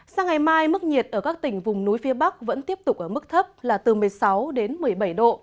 sang ngày mai mức nhiệt ở các tỉnh vùng núi phía bắc vẫn tiếp tục ở mức thấp là từ một mươi sáu đến một mươi bảy độ